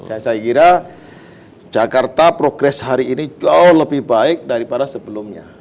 dan saya kira jakarta progres hari ini jauh lebih baik daripada sebelumnya